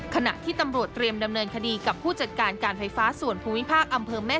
ขณะที่ตำรวจเตรียมดำเนินคดีกับผู้จัดการการไฟฟ้าส่วนภูมิภาคอำเภอแม่